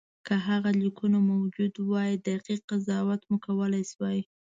که هغه لیکونه موجود وای دقیق قضاوت مو کولای شوای.